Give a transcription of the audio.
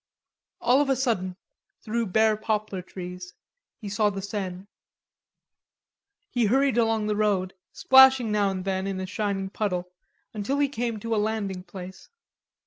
All of a sudden, through bare poplar trees, he saw the Seine. He hurried along the road, splashing now and then in a shining puddle, until he came to a landing place.